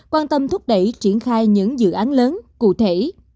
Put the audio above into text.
quan tâm thúc đẩy triển khai những dự án lớn cụ thể